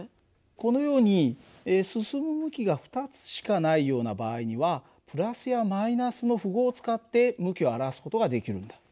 このように進む向きが２つしかないような場合にはプラスやマイナスの符号を使って向きを表す事ができるんだ。